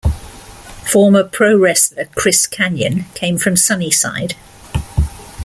Former pro wrestler Chris Kanyon came from Sunnyside.